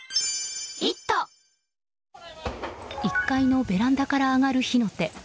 １階のベランダから上がる火の手。